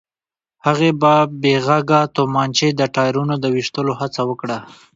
هغې په بې غږه تومانچې د ټايرونو د ويشتلو هڅه وکړه.